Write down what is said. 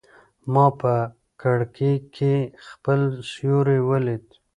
ما په کړکۍ کې خپل سیوری ولید.